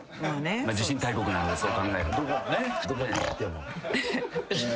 地震大国なのでそう考えると。